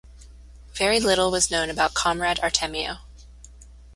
Very little was known about Comrade Artemio.